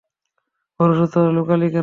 ওর অসুস্থতা লুকালি কেন?